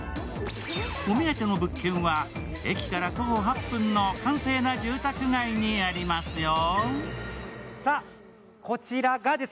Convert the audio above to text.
お目当ての物件は駅から徒歩８分の閑静な住宅街にありますよ。